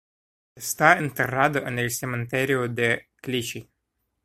Está enterrado en el cementerio de Clichy.